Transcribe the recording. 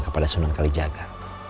kepada sunan kalijaga